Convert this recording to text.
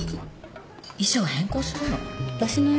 衣装変更するの？